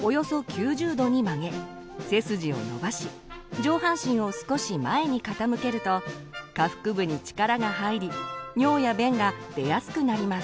上半身を少し前に傾けると下腹部に力が入り尿や便が出やすくなります。